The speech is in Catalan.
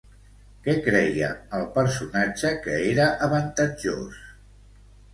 Què creia el personatge que era avantatjós?